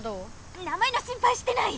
名前の心配してない。